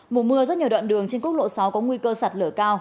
mùa mưa rất nhiều đoạn đường trên quốc lộ sáu có nguy cơ sạt lở cao